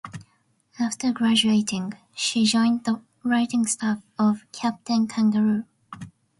After graduating, she joined the writing staff of "Captain Kangaroo".